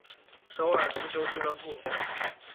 首尔足球俱乐部。